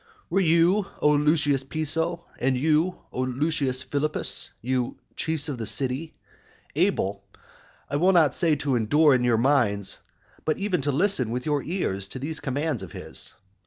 X. Were you, O Lucius Piso, and you, O Lucius Philippus, you chiefs of the city, able, I will not say to endure in your minds but even to listen with your ears to these commands of his?